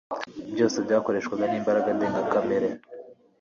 byose byakoreshwaga n'imbaraga ndengakamere